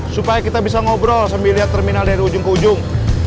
supaya kita bisa ngobrol sambil lihat terminal dari ujung ke ujung